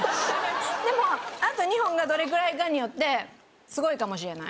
でもあと２本がどれぐらいかによってすごいかもしれない。